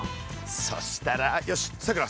そしたらよしさくら